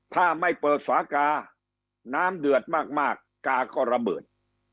ถ้าไม่เปิดฝากาน้ำเดือดมากกาก็ระเบิด